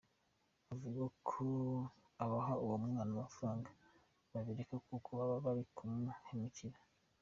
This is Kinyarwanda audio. Avuga ko abaha uwo mwana amafaranga babireka kuko baba bari kumuhemukira.